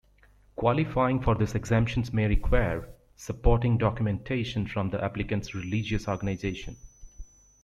Qualifying for this exemption may require supporting documentation from the applicant's religious organization.